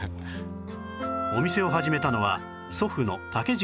お店を始めたのは祖父の武次郎さん